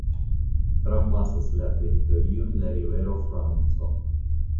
Trapasas la teritorion la rivero Franco.